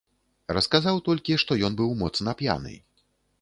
Расказаў толькі, што ён быў моцна п'яны.